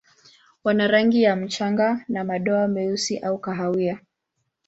Wana rangi ya mchanga na madoa meusi au kahawia.